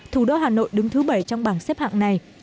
thủ đô hà nội đứng thứ bảy trong bảng xếp hạng này